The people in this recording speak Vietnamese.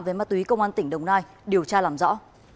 về ma túy công an tỉnh đồng nai điều tra làm rõ